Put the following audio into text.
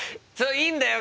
いいんだよ